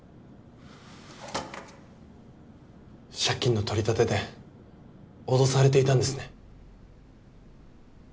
借金の取り立てで脅されていたんですね。